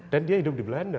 dan dia hidup di belanda